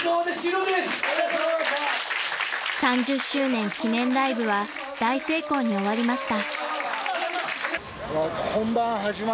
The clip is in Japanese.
［３０周年記念ライブは大成功に終わりました］